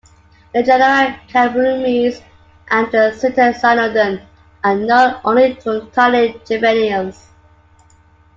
The genera "Karoomys" and "Cistecynodon" are known only from tiny juveniles.